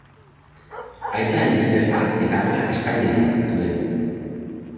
Aita ingelesa eta ama espainiarra zituen.